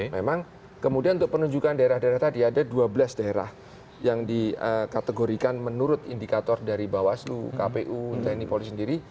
memang kemudian untuk penunjukan daerah daerah tadi ada dua belas daerah yang dikategorikan menurut indikator dari bawaslu kpu tni polri sendiri